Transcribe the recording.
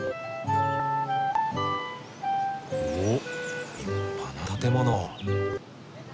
おっ立派な建物！